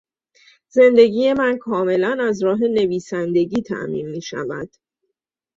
زندگی من کاملا از راه نویسندگی تامین میشود.